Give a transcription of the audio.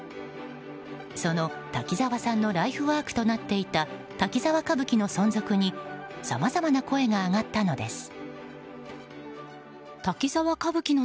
その滝沢さんのライフワークとなっていた「滝沢歌舞伎」の存続にさまざまな声が上がったのです。